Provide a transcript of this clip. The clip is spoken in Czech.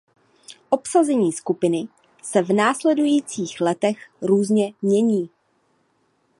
Obsazení skupiny se v následujících letech různě mění.